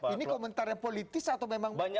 ini komentarnya politis atau memang faktualnya